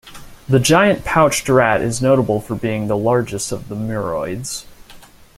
The giant pouched rat is notable for being the largest of the muroids.